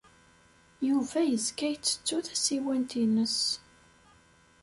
Yuba yezga yettettu tasiwant-nnes.